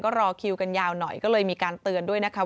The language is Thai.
ก็รอคิวกันยาวหน่อยก็เลยมีการเตือนด้วยนะคะ